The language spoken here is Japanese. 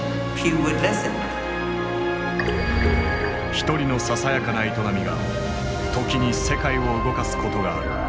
一人のささやかな営みが時に世界を動かすことがある。